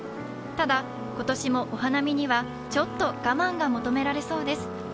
ただ、今年もお花見にはちょっと我慢が求められそうです。